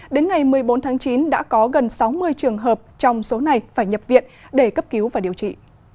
đến ngày một mươi bốn tháng chín đã có gần sáu mươi trường hợp trong số này phải nhập viện để cấp cứu và điều trị